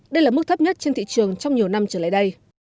đây là mức thấp nhất trên thị trường trong nhiều năm trở lại đây